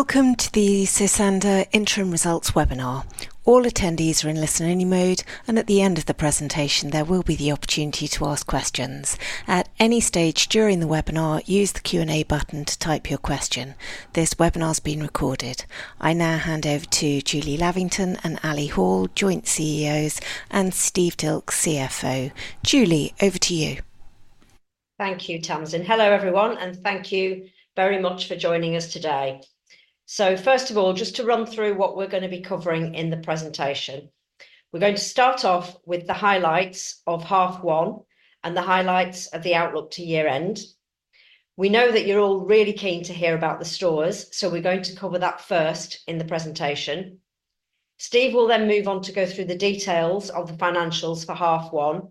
Welcome to the Sosandar Interim Results webinar. All attendees are in listen-only mode, and at the end of the presentation, there will be the opportunity to ask questions. At any stage during the webinar, use the Q&A button to type your question. This webinar's been recorded. I now hand over to Julie Lavington and Ali Hall, Joint CEOs, and Steve Dilks, CFO. Julie, over to you. Thank you, Tamsin. Hello, everyone, and thank you very much for joining us today. So first of all, just to run through what we're going to be covering in the presentation. We're going to start off with the highlights of half one and the highlights of the outlook to year-end. We know that you're all really keen to hear about the stores, so we're going to cover that first in the presentation. Steve will then move on to go through the details of the financials for half one.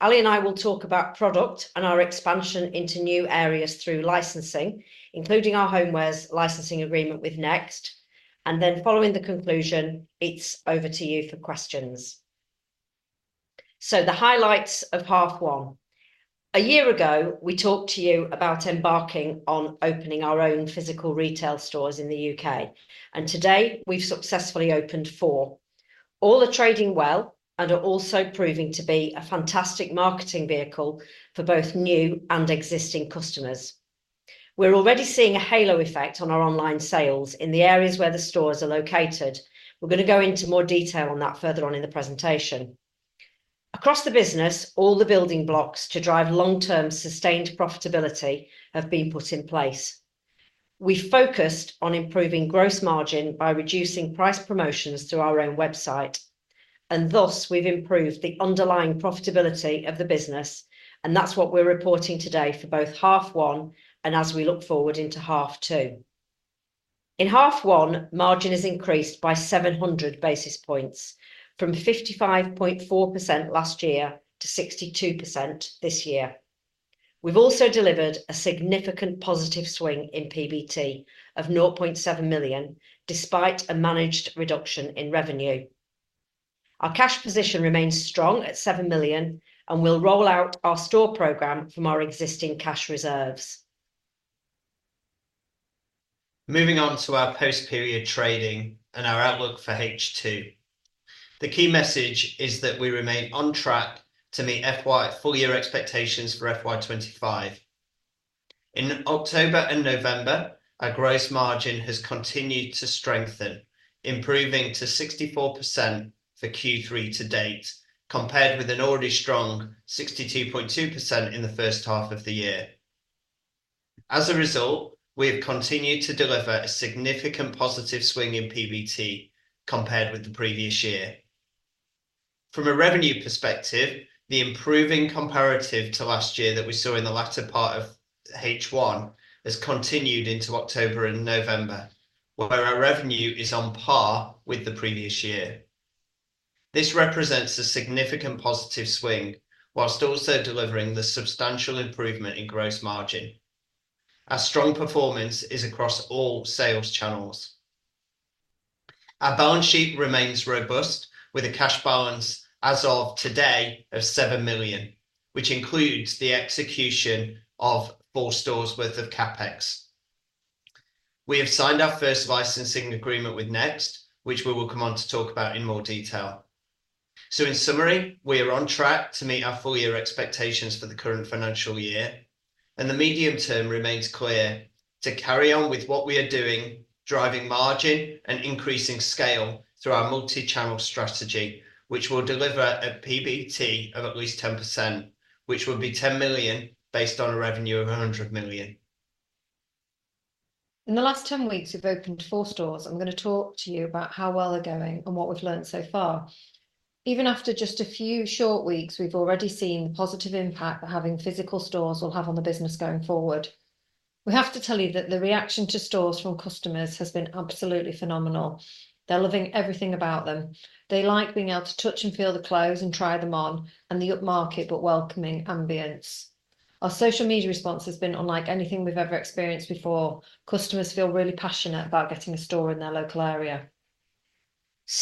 Ali and I will talk about product and our expansion into new areas through licensing, including our homewares licensing agreement with Next. And then following the conclusion, it's over to you for questions. So the highlights of half one. A year ago, we talked to you about embarking on opening our own physical retail stores in the U.K. Today, we've successfully opened four. All are trading well and are also proving to be a fantastic marketing vehicle for both new and existing customers. We're already seeing a halo effect on our online sales in the areas where the stores are located. We're going to go into more detail on that further on in the presentation. Across the business, all the building blocks to drive long-term sustained profitability have been put in place. We've focused on improving gross margin by reducing price promotions through our own website. And thus, we've improved the underlying profitability of the business. And that's what we're reporting today for both half one and as we look forward into half two. In half one, margin has increased by 700 basis points from 55.4% last year to 62% this year. We've also delivered a significant positive swing in PBT of 0.7 million, despite a managed reduction in revenue. Our cash position remains strong at 7 million, and we'll roll out our store program from our existing cash reserves. Moving on to our post-period trading and our outlook for H2. The key message is that we remain on track to meet FY full-year expectations for FY25. In October and November, our gross margin has continued to strengthen, improving to 64% for Q3 to date, compared with an already strong 62.2% in the first half of the year. As a result, we have continued to deliver a significant positive swing in PBT compared with the previous year. From a revenue perspective, the improving comparative to last year that we saw in the latter part of H1 has continued into October and November, where our revenue is on par with the previous year. This represents a significant positive swing, whilst also delivering the substantial improvement in gross margin. Our strong performance is across all sales channels. Our balance sheet remains robust, with a cash balance as of today of 7 million, which includes the execution of four stores' worth of CapEx. We have signed our first licensing agreement with Next, which we will come on to talk about in more detail. So in summary, we are on track to meet our full-year expectations for the current financial year. And the medium term remains clear to carry on with what we are doing, driving margin and increasing scale through our multi-channel strategy, which will deliver a PBT of at least 10%, which will be 10 million based on a revenue of 100 million. In the last 10 weeks, we've opened four stores. I'm going to talk to you about how well they're going and what we've learned so far. Even after just a few short weeks, we've already seen the positive impact that having physical stores will have on the business going forward. We have to tell you that the reaction to stores from customers has been absolutely phenomenal. They're loving everything about them. They like being able to touch and feel the clothes and try them on and the upmarket but welcoming ambiance. Our social media response has been unlike anything we've ever experienced before. Customers feel really passionate about getting a store in their local area.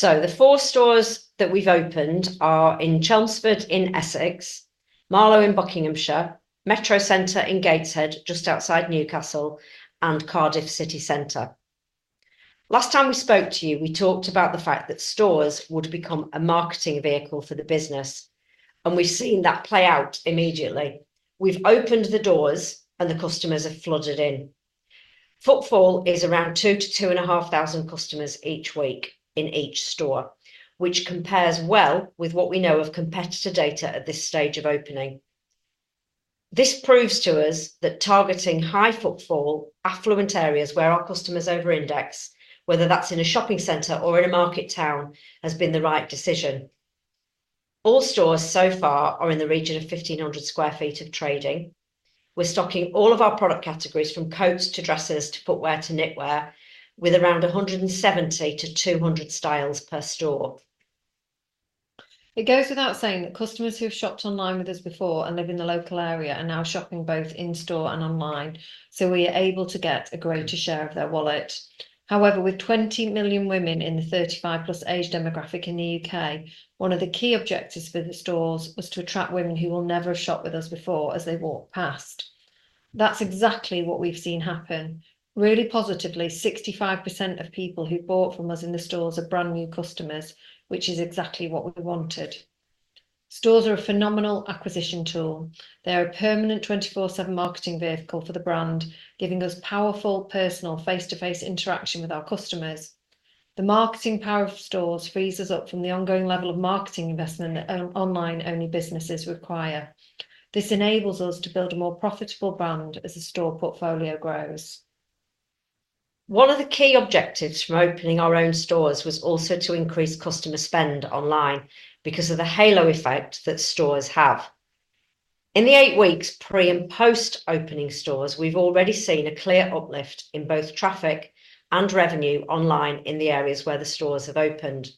The four stores that we've opened are in Chelmsford in Essex, Marlow in Buckinghamshire, Metrocentre in Gateshead just outside Newcastle, and Cardiff City Centre. Last time we spoke to you, we talked about the fact that stores would become a marketing vehicle for the business. We've seen that play out immediately. We've opened the doors, and the customers have flooded in. Footfall is around 2,000-2,500 customers each week in each store, which compares well with what we know of competitor data at this stage of opening. This proves to us that targeting high footfall, affluent areas where our customers over-index, whether that's in a shopping center or in a market town, has been the right decision. All stores so far are in the region of 1,500 sq ft of trading. We're stocking all of our product categories from coats to dresses to footwear to knitwear with around 170-200 styles per store. It goes without saying that customers who have shopped online with us before and live in the local area are now shopping both in store and online. So we are able to get a greater share of their wallet. However, with 20 million women in the 35-plus age demographic in the U.K., one of the key objectives for the stores was to attract women who will never have shopped with us before as they walk past. That's exactly what we've seen happen. Really positively, 65% of people who bought from us in the stores are brand new customers, which is exactly what we wanted. Stores are a phenomenal acquisition tool. They are a permanent 24/7 marketing vehicle for the brand, giving us powerful personal face-to-face interaction with our customers. The marketing power of stores frees us up from the ongoing level of marketing investment that online-only businesses require. This enables us to build a more profitable brand as the store portfolio grows. One of the key objectives from opening our own stores was also to increase customer spend online because of the halo effect that stores have. In the eight weeks pre and post-opening stores, we've already seen a clear uplift in both traffic and revenue online in the areas where the stores have opened.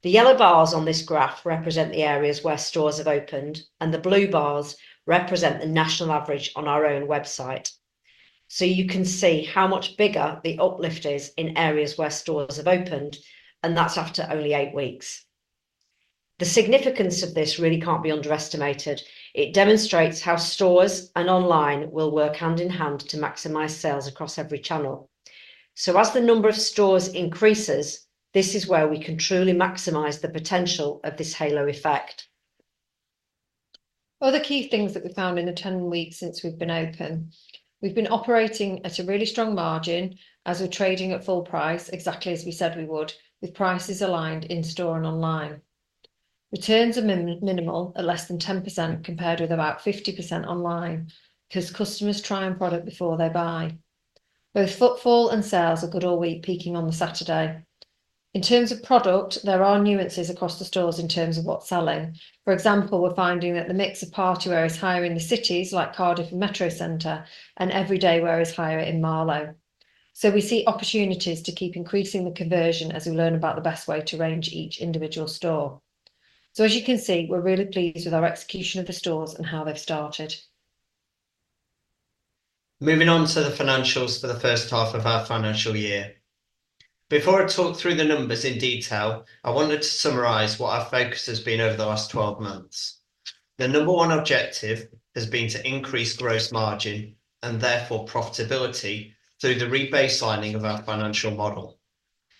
The yellow bars on this graph represent the areas where stores have opened, and the blue bars represent the national average on our own website. So you can see how much bigger the uplift is in areas where stores have opened, and that's after only eight weeks. The significance of this really can't be underestimated. It demonstrates how stores and online will work hand in hand to maximize sales across every channel. So as the number of stores increases, this is where we can truly maximize the potential of this halo effect. Other key things that we found in the 10 weeks since we've been open. We've been operating at a really strong margin as we're trading at full price, exactly as we said we would, with prices aligned in store and online. Returns are minimal, at less than 10% compared with about 50% online because customers try a product before they buy. Both footfall and sales are good all week, peaking on the Saturday. In terms of product, there are nuances across the stores in terms of what's selling. For example, we're finding that the mix of party wear is higher in the cities like Cardiff and Metrocentre, and everyday wear is higher in Marlow. So we see opportunities to keep increasing the conversion as we learn about the best way to range each individual store. As you can see, we're really pleased with our execution of the stores and how they've started. Moving on to the financials for the first half of our financial year. Before I talk through the numbers in detail, I wanted to summarize what our focus has been over the last 12 months. The number one objective has been to increase gross margin and therefore profitability through the rebaselining of our financial model.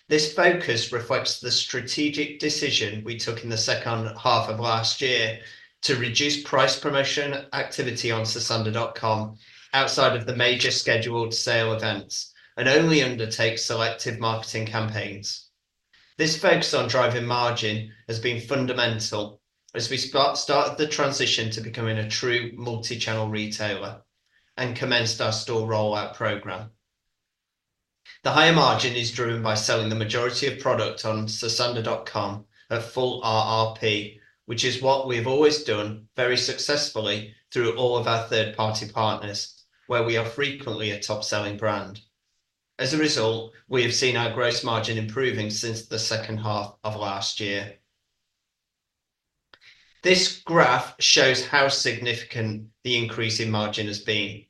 This focus reflects the strategic decision we took in the second half of last year to reduce price promotion activity on Sosandar.com outside of the major scheduled sale events and only undertake selective marketing campaigns. This focus on driving margin has been fundamental as we started the transition to becoming a true multi-channel retailer and commenced our store rollout program. The higher margin is driven by selling the majority of product on Sosandar.com at full RRP, which is what we've always done very successfully through all of our third-party partners, where we are frequently a top-selling brand. As a result, we have seen our gross margin improving since the second half of last year. This graph shows how significant the increase in margin has been.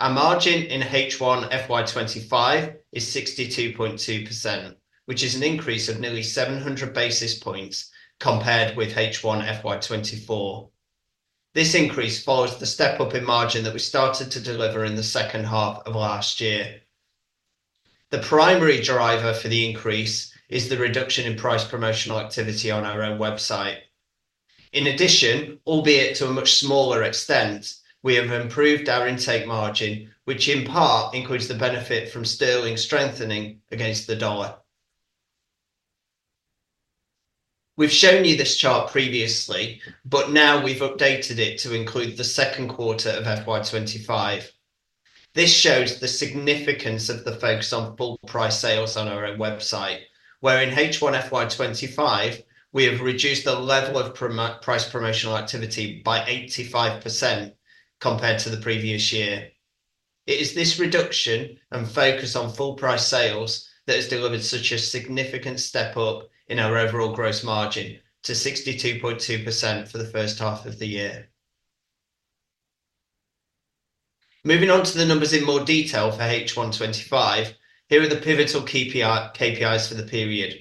Our margin in H1 FY25 is 62.2%, which is an increase of nearly 700 basis points compared with H1 FY24. This increase follows the step-up in margin that we started to deliver in the second half of last year. The primary driver for the increase is the reduction in price promotional activity on our own website. In addition, albeit to a much smaller extent, we have improved our intake margin, which in part includes the benefit from sterling strengthening against the dollar. We've shown you this chart previously, but now we've updated it to include the second quarter of FY25. This shows the significance of the focus on full-price sales on our own website, where in H1 FY25, we have reduced the level of price promotional activity by 85% compared to the previous year. It is this reduction and focus on full-price sales that has delivered such a significant step-up in our overall gross margin to 62.2% for the first half of the year. Moving on to the numbers in more detail for H1 FY25, here are the pivotal KPIs for the period.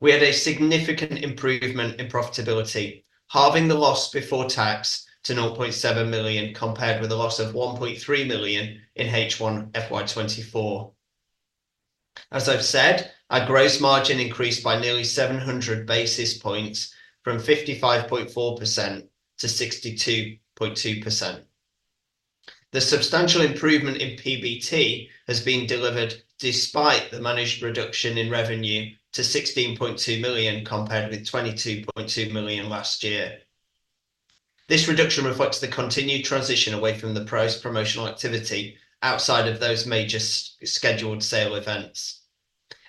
We had a significant improvement in profitability, halving the loss before tax to 0.7 million compared with a loss of 1.3 million in H1 FY24. As I've said, our gross margin increased by nearly 700 basis points from 55.4% to 62.2%. The substantial improvement in PBT has been delivered despite the managed reduction in revenue to 16.2 million compared with 22.2 million last year. This reduction reflects the continued transition away from the price promotional activity outside of those major scheduled sale events,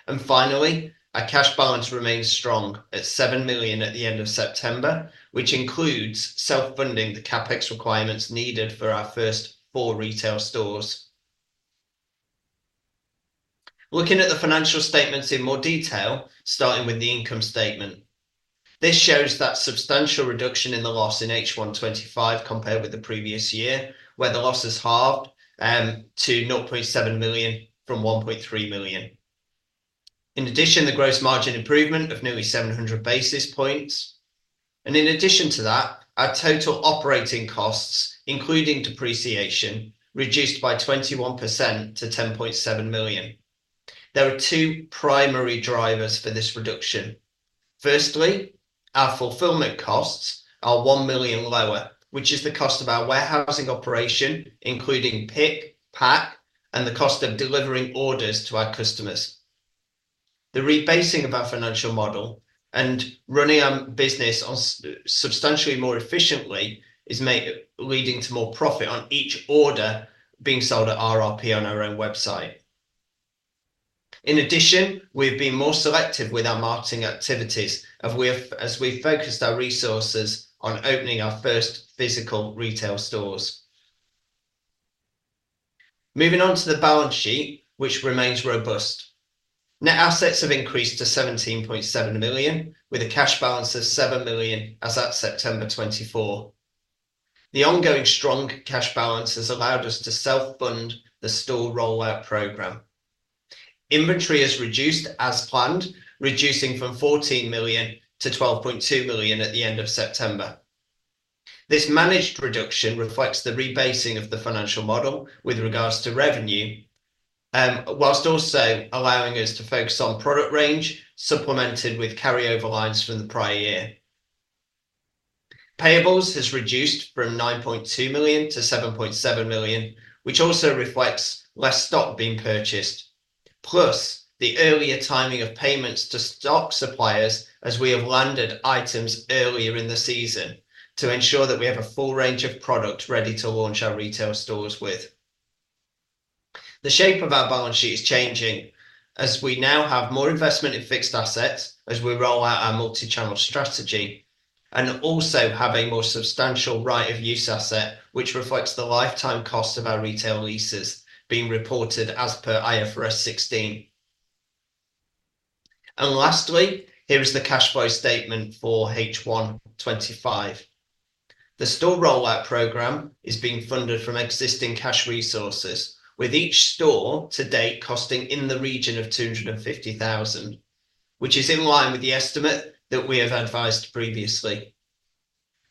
and finally, our cash balance remains strong at 7 million at the end of September, which includes self-funding the CapEx requirements needed for our first four retail stores. Looking at the financial statements in more detail, starting with the income statement, this shows that substantial reduction in the loss in H1 25 compared with the previous year, where the loss has halved to 0.7 million from 1.3 million. In addition, the gross margin improvement of nearly 700 basis points, and in addition to that, our total operating costs, including depreciation, reduced by 21% to 10.7 million. There are two primary drivers for this reduction. Firstly, our fulfillment costs are 1 million lower, which is the cost of our warehousing operation, including pick, pack, and the cost of delivering orders to our customers. The rebasing of our financial model and running our business substantially more efficiently is leading to more profit on each order being sold at RRP on our own website. In addition, we've been more selective with our marketing activities as we've focused our resources on opening our first physical retail stores. Moving on to the balance sheet, which remains robust. Net assets have increased to 17.7 million, with a cash balance of 7 million as at September 24. The ongoing strong cash balance has allowed us to self-fund the store rollout program. Inventory has reduced as planned, reducing from 14 million to 12.2 million at the end of September. This managed reduction reflects the rebasing of the financial model with regard to revenue, while also allowing us to focus on product range, supplemented with carryover lines from the prior year. Payables has reduced from 9.2 million to 7.7 million, which also reflects less stock being purchased, plus the earlier timing of payments to stock suppliers as we have landed items earlier in the season to ensure that we have a full range of product ready to launch our retail stores with. The shape of our balance sheet is changing as we now have more investment in fixed assets as we roll out our multi-channel strategy and also have a more substantial right-of-use asset, which reflects the lifetime cost of our retail leases being reported as per IFRS 16. Lastly, here is the cash flow statement for H1 25. The store rollout program is being funded from existing cash resources, with each store to date costing in the region of 250,000, which is in line with the estimate that we have advised previously.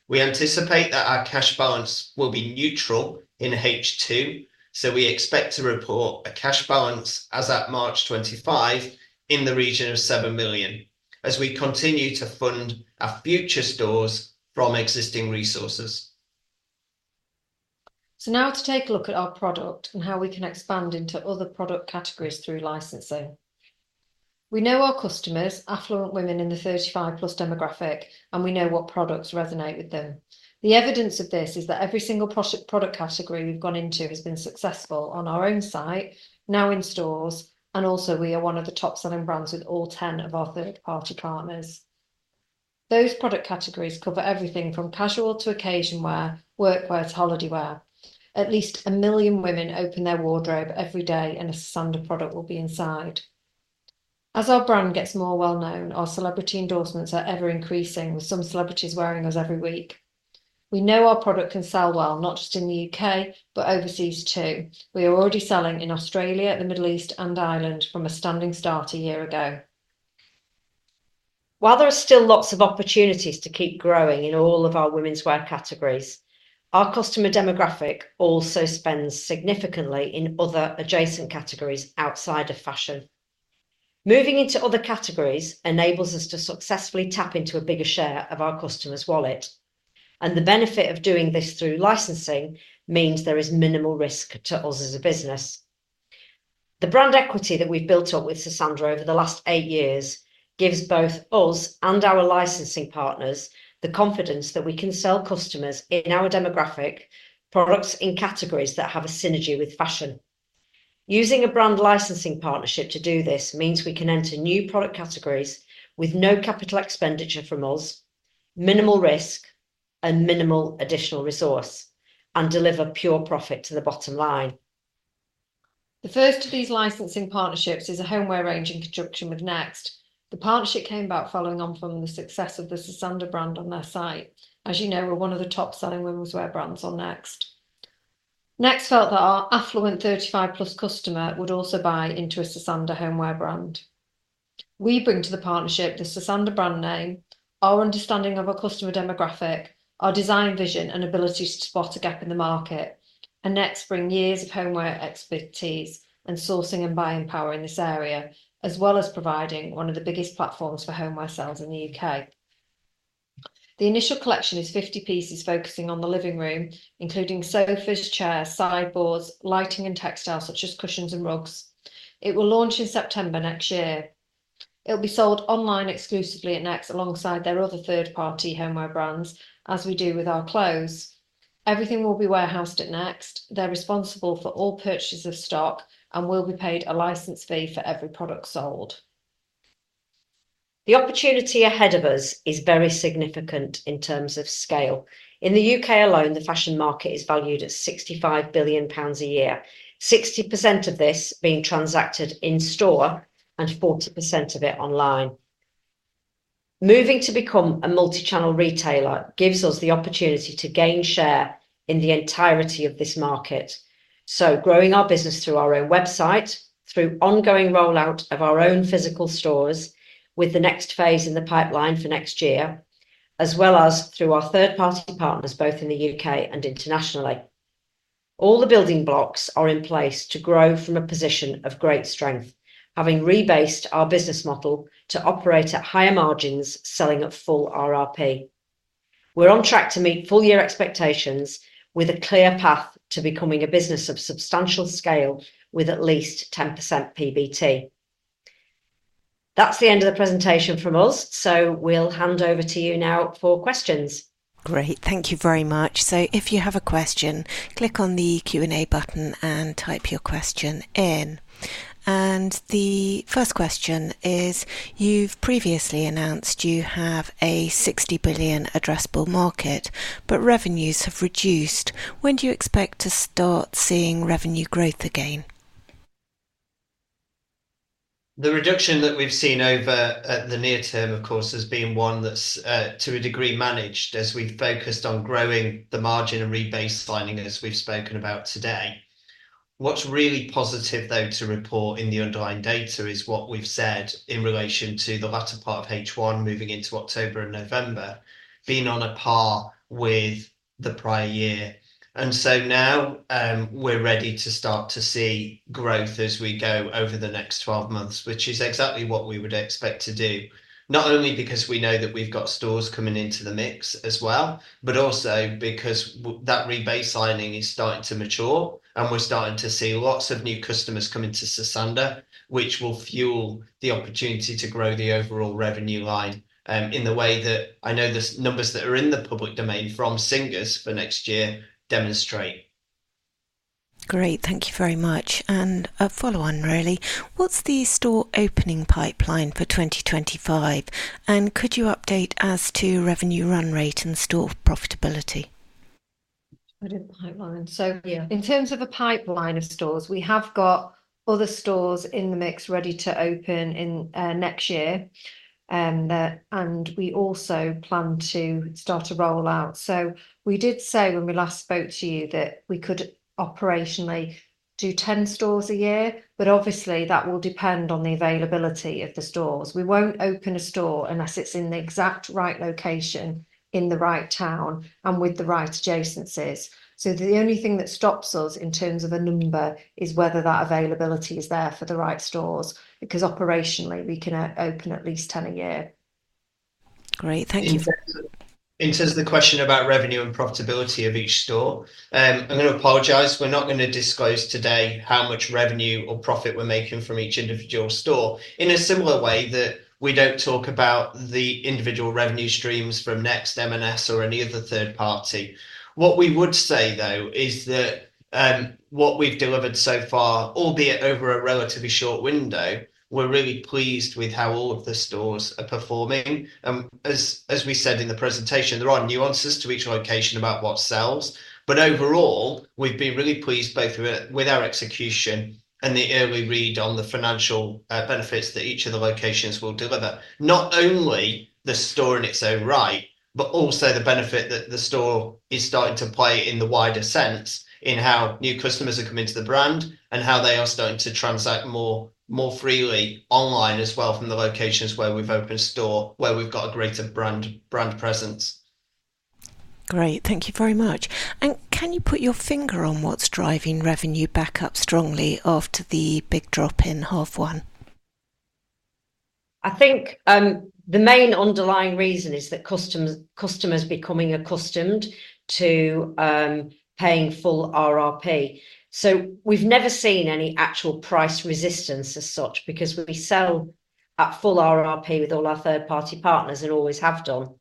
We anticipate that our cash balance will be neutral in H2, so we expect to report a cash balance as at March 25 in the region of 7 million as we continue to fund our future stores from existing resources. So now to take a look at our product and how we can expand into other product categories through licensing. We know our customers, affluent women in the 35-plus demographic, and we know what products resonate with them. The evidence of this is that every single product category we've gone into has been successful on our own site, now in stores, and also we are one of the top-selling brands with all 10 of our third-party partners. Those product categories cover everything from casual to occasion wear, workwear to holiday wear. At least a million women open their wardrobe every day, and a Sosandar product will be inside. As our brand gets more well-known, our celebrity endorsements are ever-increasing, with some celebrities wearing us every week. We know our product can sell well, not just in the U.K., but overseas too. We are already selling in Australia, the Middle East, and Ireland from a standing start a year ago. While there are still lots of opportunities to keep growing in all of our women's wear categories, our customer demographic also spends significantly in other adjacent categories outside of fashion. Moving into other categories enables us to successfully tap into a bigger share of our customer's wallet. And the benefit of doing this through licensing means there is minimal risk to us as a business. The brand equity that we've built up with Sosandar over the last eight years gives both us and our licensing partners the confidence that we can sell customers in our demographic products in categories that have a synergy with fashion. Using a brand licensing partnership to do this means we can enter new product categories with no capital expenditure from us, minimal risk, and minimal additional resource, and deliver pure profit to the bottom line. The first of these licensing partnerships is a homeware range in conjunction with Next. The partnership came about following on from the success of the Sosandar brand on their site. As you know, we're one of the top-selling women's wear brands on Next. Next felt that our affluent 35-plus customer would also buy into a Sosandar homeware brand. We bring to the partnership the Sosandar brand name, our understanding of our customer demographic, our design vision, and ability to spot a gap in the market, and Next brings years of homeware expertise and sourcing and buying power in this area, as well as providing one of the biggest platforms for homeware sales in the U.K. The initial collection is 50 pieces focusing on the living room, including sofas, chairs, sideboards, lighting, and textiles such as cushions and rugs. It will launch in September next year. It'll be sold online exclusively at Next alongside their other third-party homeware brands, as we do with our clothes. Everything will be warehoused at Next. They're responsible for all purchases of stock and will be paid a license fee for every product sold. The opportunity ahead of us is very significant in terms of scale. In the U.K. alone, the fashion market is valued at 65 billion pounds a year, 60% of this being transacted in store and 40% of it online. Moving to become a multi-channel retailer gives us the opportunity to gain share in the entirety of this market. So growing our business through our own website, through ongoing rollout of our own physical stores, with the next phase in the pipeline for next year, as well as through our third-party partners, both in the U.K. and internationally. All the building blocks are in place to grow from a position of great strength, having rebased our business model to operate at higher margins selling at full RRP. We're on track to meet full-year expectations with a clear path to becoming a business of substantial scale with at least 10% PBT. That's the end of the presentation from us, so we'll hand over to you now for questions. Great. Thank you very much. So if you have a question, click on the Q&A button and type your question in. And the first question is, you've previously announced you have a 60 billion addressable market, but revenues have reduced. When do you expect to start seeing revenue growth again? The reduction that we've seen over the near term, of course, has been one that's to a degree managed as we've focused on growing the margin and rebasing as we've spoken about today. What's really positive, though, to report in the underlying data is what we've said in relation to the latter part of H1 moving into October and November, being on a par with the prior year. And so now we're ready to start to see growth as we go over the next 12 months, which is exactly what we would expect to do. Not only because we know that we've got stores coming into the mix as well, but also because that rebasing is starting to mature and we're starting to see lots of new customers coming to Sosandar, which will fuel the opportunity to grow the overall revenue line in the way that I know the numbers that are in the public domain from Singer for next year demonstrate. Great. Thank you very much. And a follow-on, really. What's the store opening pipeline for 2025? And could you update as to revenue run rate and store profitability? Open pipeline. So yeah, in terms of the pipeline of stores, we have got other stores in the mix ready to open in next year. And we also plan to start a rollout. So we did say when we last spoke to you that we could operationally do 10 stores a year, but obviously that will depend on the availability of the stores. We won't open a store unless it's in the exact right location in the right town and with the right adjacencies. So the only thing that stops us in terms of a number is whether that availability is there for the right stores, because operationally we can open at least 10 a year. Great. Thank you. In terms of the question about revenue and profitability of each store, I'm going to apologize. We're not going to disclose today how much revenue or profit we're making from each individual store in a similar way that we don't talk about the individual revenue streams from Next, M&S, or any other third party. What we would say, though, is that what we've delivered so far, albeit over a relatively short window, we're really pleased with how all of the stores are performing. And as we said in the presentation, there are nuances to each location about what sells. But overall, we've been really pleased both with our execution and the early read on the financial benefits that each of the locations will deliver. Not only the store in its own right, but also the benefit that the store is starting to play in the wider sense in how new customers are coming to the brand and how they are starting to transact more freely online as well from the locations where we've opened a store, where we've got a greater brand presence. Great. Thank you very much. And can you put your finger on what's driving revenue back up strongly after the big drop in half one? I think the main underlying reason is that customers are becoming accustomed to paying full RRP. So we've never seen any actual price resistance as such because we sell at full RRP with all our third-party partners and always have done.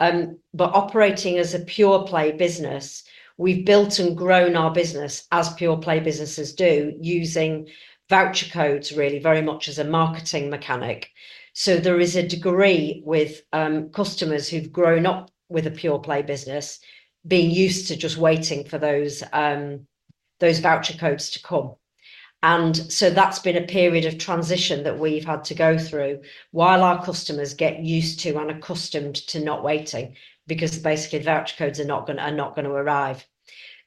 But operating as a pure-play business, we've built and grown our business as pure-play businesses do, using voucher codes really very much as a marketing mechanic. So there is a degree with customers who've grown up with a pure-play business being used to just waiting for those voucher codes to come. And so that's been a period of transition that we've had to go through while our customers get used to and accustomed to not waiting because basically voucher codes are not going to arrive.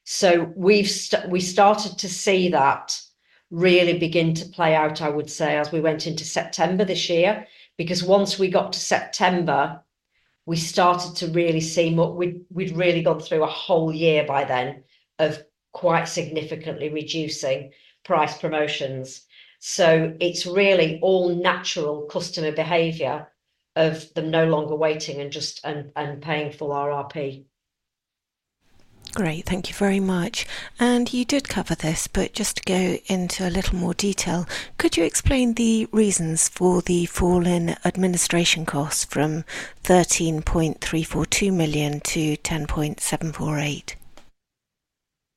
So we started to see that really begin to play out, I would say, as we went into September this year, because once we got to September, we started to really see what we'd really gone through a whole year by then of quite significantly reducing price promotions. So it's really all natural customer behavior of them no longer waiting and just paying full RRP. Great. Thank you very much. And you did cover this, but just to go into a little more detail, could you explain the reasons for the fall in administration costs from 13.342 million to 10.748?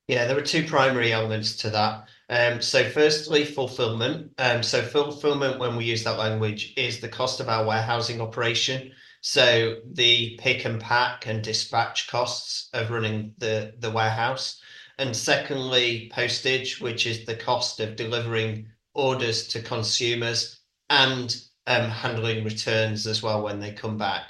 Yeah, there were two primary elements to that. So firstly, fulfillment. So fulfillment, when we use that language, is the cost of our warehousing operation. So the pick and pack and dispatch costs of running the warehouse. And secondly, postage, which is the cost of delivering orders to consumers and handling returns as well when they come back.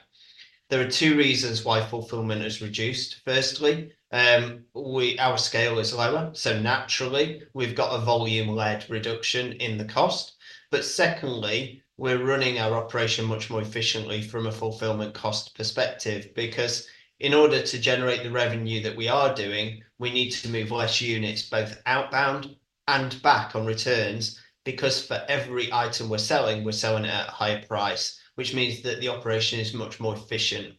There are two reasons why fulfillment has reduced. Firstly, our scale is lower, so naturally we've got a volume-led reduction in the cost. But secondly, we're running our operation much more efficiently from a fulfillment cost perspective because in order to generate the revenue that we are doing, we need to move less units both outbound and back on returns because for every item we're selling, we're selling it at a higher price, which means that the operation is much more efficient.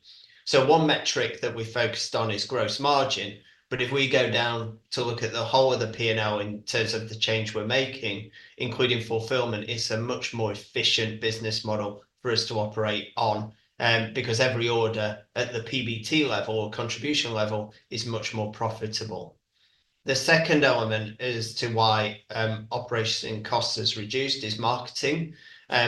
So one metric that we focused on is gross margin. But if we go down to look at the whole of the P&L in terms of the change we're making, including fulfilment, it's a much more efficient business model for us to operate on because every order at the PBT level or contribution level is much more profitable. The second element as to why operations and costs have reduced is marketing.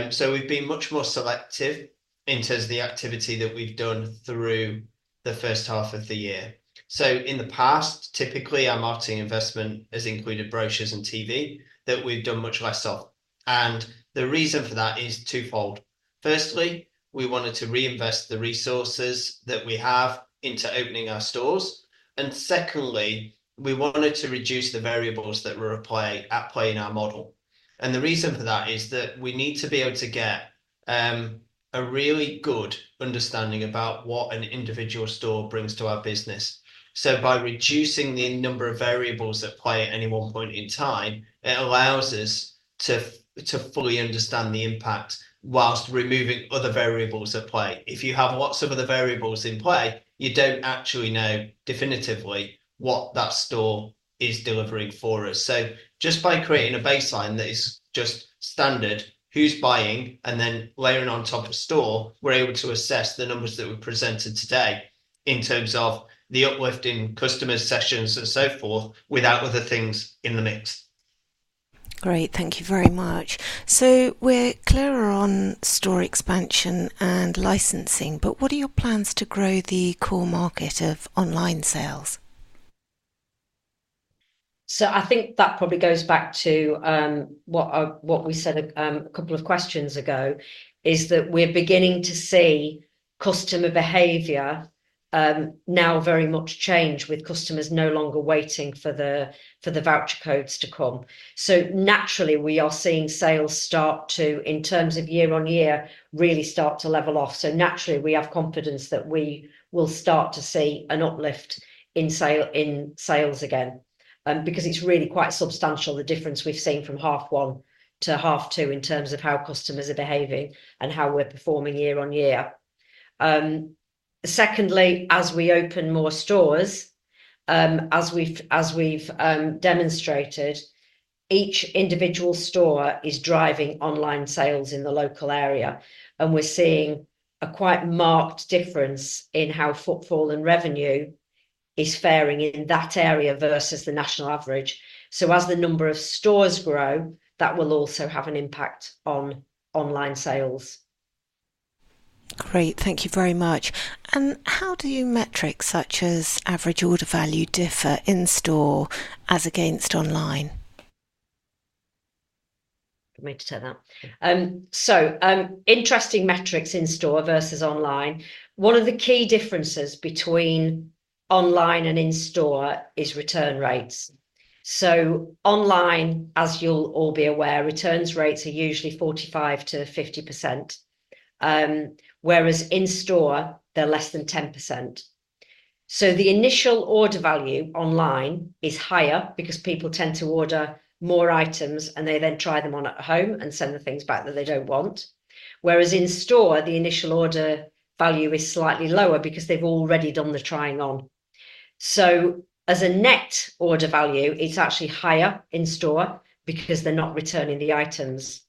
So we've been much more selective in terms of the activity that we've done through the first half of the year. So in the past, typically our marketing investment has included brochures and TV that we've done much less of. And the reason for that is twofold. Firstly, we wanted to reinvest the resources that we have into opening our stores. And secondly, we wanted to reduce the variables that were at play in our model. The reason for that is that we need to be able to get a really good understanding about what an individual store brings to our business. So by reducing the number of variables at play at any one point in time, it allows us to fully understand the impact while removing other variables at play. If you have lots of other variables in play, you don't actually know definitively what that store is delivering for us. So just by creating a baseline that is just standard, who's buying, and then layering on top of store, we're able to assess the numbers that were presented today in terms of the uplift in customer sessions and so forth without other things in the mix. Great. Thank you very much. So we're clearer on store expansion and licensing, but what are your plans to grow the core market of online sales? So, I think that probably goes back to what we said a couple of questions ago, is that we're beginning to see customer behavior now very much change with customers no longer waiting for the voucher codes to come. So naturally, we are seeing sales start to, in terms of year on year, really start to level off. So naturally, we have confidence that we will start to see an uplift in sales again because it's really quite substantial, the difference we've seen from half one to half two in terms of how customers are behaving and how we're performing year on year. Secondly, as we open more stores, as we've demonstrated, each individual store is driving online sales in the local area. And we're seeing a quite marked difference in how footfall and revenue is faring in that area versus the national average. As the number of stores grow, that will also have an impact on online sales. Great. Thank you very much. And how do your metrics such as average order value differ in store as against online? For me to take that. Interesting metrics in store versus online. One of the key differences between online and in store is return rates. Online, as you'll all be aware, return rates are usually 45%-50%, whereas in store, they're less than 10%. The initial order value online is higher because people tend to order more items and they then try them on at home and send the things back that they don't want. Whereas in store, the initial order value is slightly lower because they've already done the trying on. As a net order value, it's actually higher in store because they're not returning the items.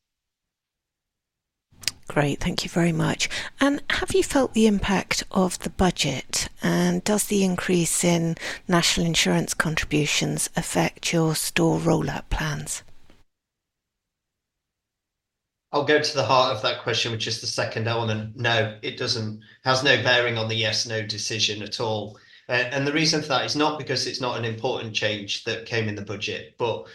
Great. Thank you very much. And have you felt the impact of the budget? And does the increase in national insurance contributions affect your store rollout plans? I'll go to the heart of that question, which is the second element. No, it doesn't. Has no bearing on the yes/no decision at all. And the reason for that is not because it's not an important change that came in the budget, but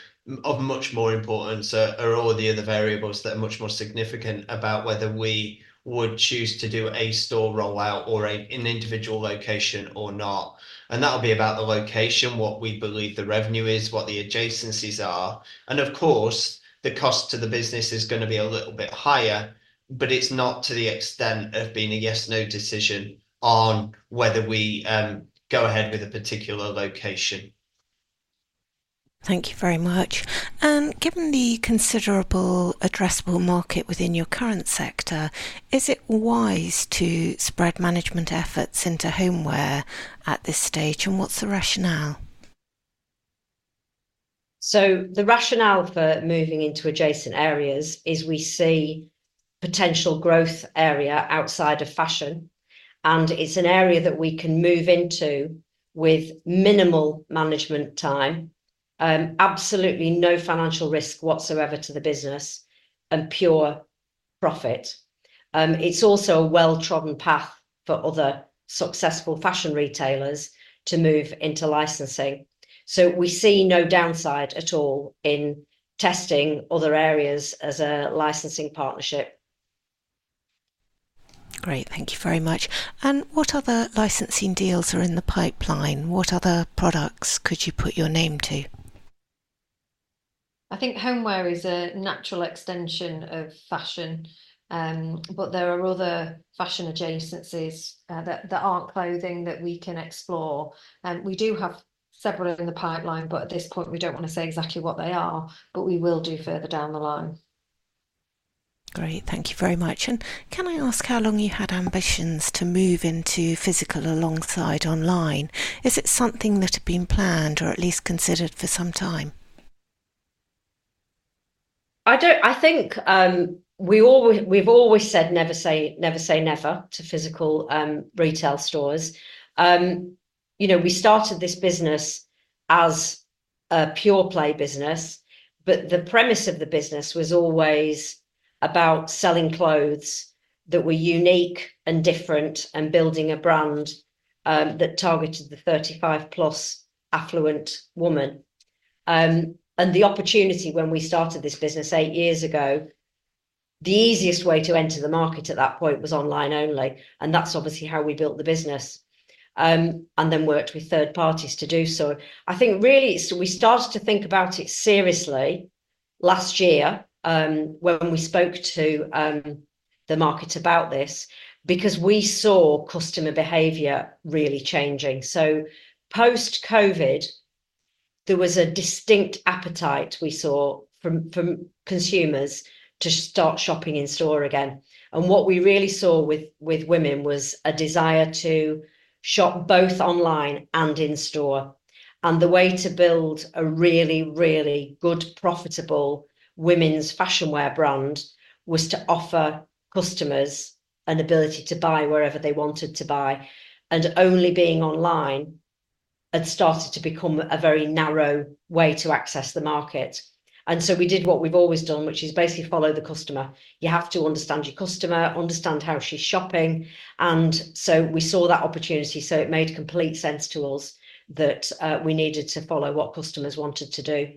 of much more importance are all the other variables that are much more significant about whether we would choose to do a store rollout or an individual location or not. And that'll be about the location, what we believe the revenue is, what the adjacencies are. And of course, the cost to the business is going to be a little bit higher, but it's not to the extent of being a yes/no decision on whether we go ahead with a particular location. Thank you very much. And given the considerable addressable market within your current sector, is it wise to spread management efforts into homeware at this stage? And what's the rationale? So the rationale for moving into adjacent areas is, we see potential growth area outside of fashion. And it's an area that we can move into with minimal management time, absolutely no financial risk whatsoever to the business, and pure profit. It's also a well-trodden path for other successful fashion retailers to move into licensing. So we see no downside at all in testing other areas as a licensing partnership. Great. Thank you very much. And what other licensing deals are in the pipeline? What other products could you put your name to? I think homeware is a natural extension of fashion, but there are other fashion adjacencies that aren't clothing that we can explore. We do have several in the pipeline, but at this point, we don't want to say exactly what they are, but we will do further down the line. Great. Thank you very much and can I ask how long you had ambitions to move into physical alongside online? Is it something that had been planned or at least considered for some time? I think we've always said, "Never say never to physical retail stores." We started this business as a pure-play business, but the premise of the business was always about selling clothes that were unique and different and building a brand that targeted the 35-plus affluent woman. And the opportunity when we started this business eight years ago, the easiest way to enter the market at that point was online only. And that's obviously how we built the business and then worked with third parties to do so. I think really we started to think about it seriously last year when we spoke to the market about this because we saw customer behavior really changing. So post-COVID, there was a distinct appetite we saw from consumers to start shopping in store again. And what we really saw with women was a desire to shop both online and in store. And the way to build a really, really good, profitable women's fashion wear brand was to offer customers an ability to buy wherever they wanted to buy. And only being online had started to become a very narrow way to access the market. And so we did what we've always done, which is basically follow the customer. You have to understand your customer, understand how she's shopping. And so we saw that opportunity. So it made complete sense to us that we needed to follow what customers wanted to do.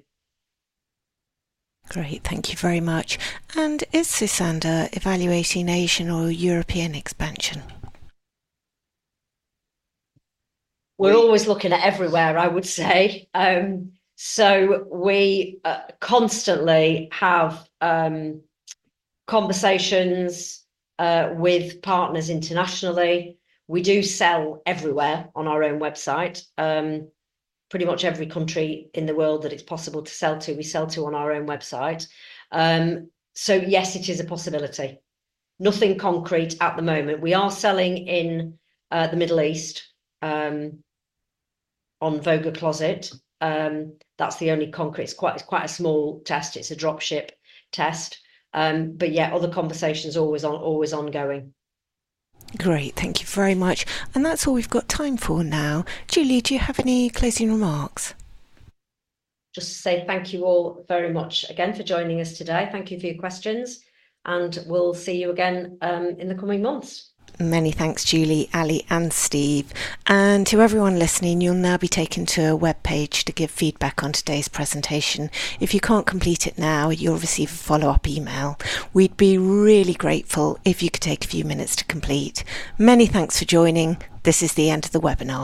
Great. Thank you very much. And is Sosandar evaluating Asian or European expansion? We're always looking at everywhere, I would say. So we constantly have conversations with partners internationally. We do sell everywhere on our own website. Pretty much every country in the world that it's possible to sell to, we sell to on our own website. So yes, it is a possibility. Nothing concrete at the moment. We are selling in the Middle East on VogaCloset. That's the only concrete. It's quite a small test. It's a dropship test. But yeah, other conversations are always ongoing. Great. Thank you very much. And that's all we've got time for now. Julie, do you have any closing remarks? Just to say thank you all very much again for joining us today. Thank you for your questions, and we'll see you again in the coming months. Many thanks, Julie, Ali, and Steve, and to everyone listening, you'll now be taken to a web page to give feedback on today's presentation. If you can't complete it now, you'll receive a follow-up email. We'd be really grateful if you could take a few minutes to complete. Many thanks for joining. This is the end of the webinar.